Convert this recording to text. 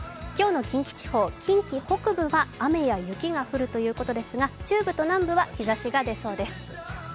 今日の近畿地方、近畿北部は雨や雪が降るということですが中部と南部は日ざしが出そうです。